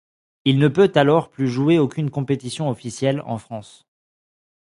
Il ne peut alors plus jouer aucune compétition officielle en France.